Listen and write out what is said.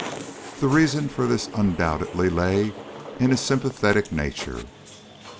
The reason for this undoubtedly lay in his sympathetic nature.